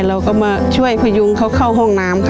เราก็มาช่วยพยุงเขาเข้าห้องน้ำค่ะ